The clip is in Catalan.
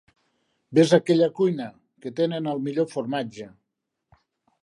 Ves a aquella cuina, que tenen el millor formatge.